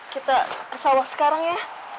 kita sawah sekarang ya